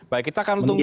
baik kita akan tunggu